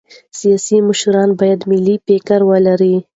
سیاسي مشران باید ملي فکر ولري